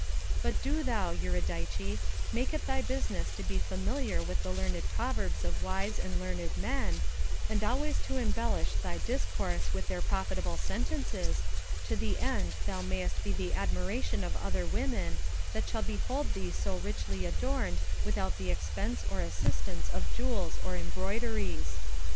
But do thou, Eurydice, make it thy business to be familiar with the learned proverbs of wise and learned men, and always to embellish thy dis course with their profitable sentences, to the end thou mayst be the admiration of other women, that shall behold thee so richly adorned without the expense or assistance of jewels or embroideries.